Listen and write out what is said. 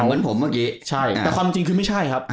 เหมือนผมเมื่อกี้ใช่แต่ความจริงคือไม่ใช่ครับ